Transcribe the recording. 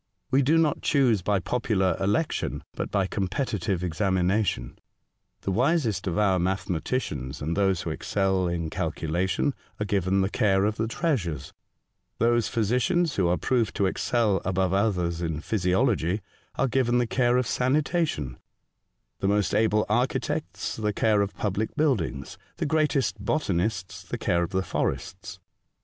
We do not choose by popular election, but by competitive examina tion. The wisest of our mathematicians, and those who excel in calculation, are given the care of the treasures ; those physicians who are proved to excel above others in physiology are given the care of sanitation ; the most able architects the care of public buildings ; the greatest botanists the care of the forests.